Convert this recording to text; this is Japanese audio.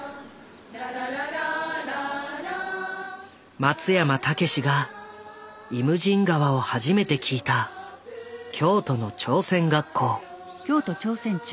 松山猛が「イムジン河」を初めて聴いた京都の朝鮮学校。